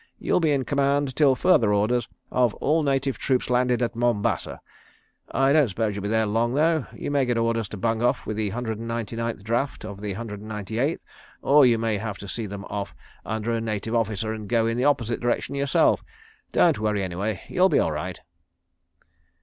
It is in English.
You'll be in command, till further orders, of all native troops landed at Mombasa. I don't suppose you'll be there long, though. You may get orders to bung off with the Hundred and Ninety Ninth draft of the Hundred and Ninety Eighth, or you may have to see them off under a Native Officer and go in the opposite direction yourself. ... Don't worry, anyway. You'll be all right.